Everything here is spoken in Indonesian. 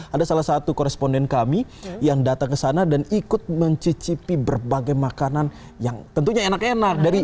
ada salah satu koresponden kami yang datang ke sana dan ikut mencicipi berbagai makanan yang tentunya enak enak